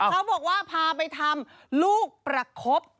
เขาบอกว่าพาไปทำลูกประคบ